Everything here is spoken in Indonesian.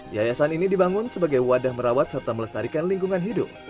yayasan ini dibangun sebagai wadah merawat serta melestarikan lingkungan hidup